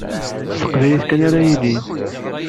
S teqbaylit kan ara yilin.